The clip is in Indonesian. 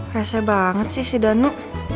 rasa banget sih si danuk